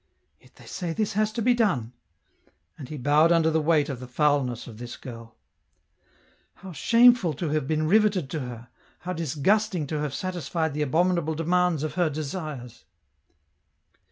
" Yet they say this has to be done ;" and he bowed under the weight of the foulness of this girl. " How shameful to have been riveted to her, how disgust ing to have satisfied the abominable demands of her desires